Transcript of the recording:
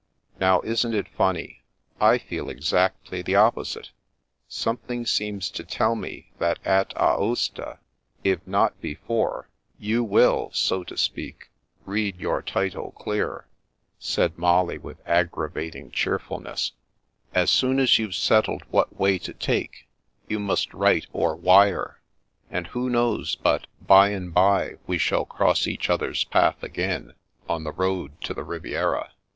" Now, isn't it funny, I feel exactly the opposite ? Something seems to tell me that at Aosta, if not be fore, you will, so to speak, * read your title clear/ " said Molly, with aggravating cheerfulness. "As 94 I'he Princess Passes soon as you've settled what way to take, you must write or wire ; and who knows but by and bye we shall cross each other's path again, on the road to the Riviera